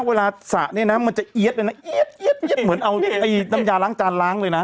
เวลาสะนี่น่ะมันจะเอี๊ยดเลยน่ะเอี๊ยดเอี๊ยดเอี๊ยดเหมือนเอาน้ำยาล้างจานล้างเลยน่ะ